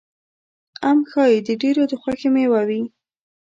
ام ښایي د ډېرو د خوښې مېوه وي.